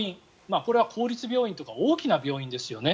これは公立病院とか大きな病院ですよね。